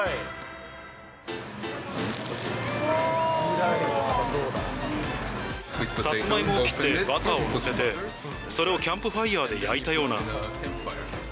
外国人のさつまいもを切って、バターを載せて、それをキャンプファイアで焼いたような。